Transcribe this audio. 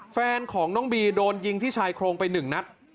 แฟนของน้องบีโดนยิงที่ชายโครงไป๑นัด